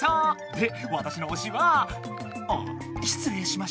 でわたしのおしはあっしつれいしました。